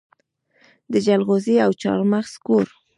د جلغوزي او چارمغز کور.